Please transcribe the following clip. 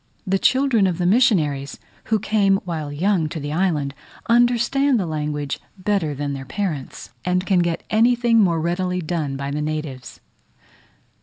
The children of the missionaries, who came while young to the island, understand the language better than their parents, and can get anything more readily done by the natives.